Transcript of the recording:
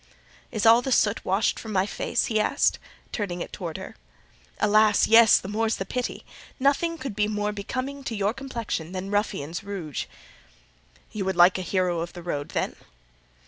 "Is all the soot washed from my face?" he asked, turning it towards her. "Alas! yes: the more's the pity! Nothing could be more becoming to your complexion than that ruffian's rouge." "You would like a hero of the road then?"